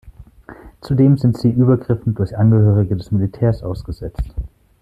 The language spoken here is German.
Zudem sind sie Übergriffen durch Angehörige des Militärs ausgesetzt.